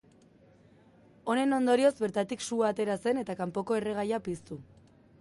Honen ondorioz, bertatik sua atera zen eta kanpoko erregaia piztu.